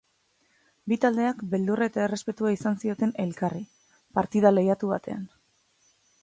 Bi taldeak beldurra eta errespetua izan zioten elkarri, partida lehiatu batean.